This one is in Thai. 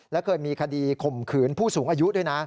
และเคยมีคดีข่มขืนผู้สูงอายุด้วยนะ